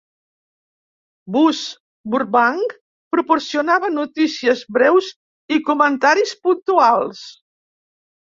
Buzz Burbank proporcionava notícies breus i comentaris puntuals.